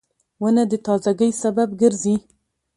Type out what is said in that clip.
• ونه د تازهګۍ سبب ګرځي.